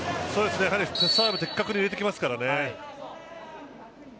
やはりサーブ的確に入れてきますからね。